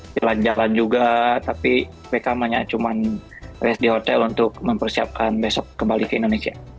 jalan jalan juga tapi beckham hanya cuma race di hotel untuk mempersiapkan besok kembali ke indonesia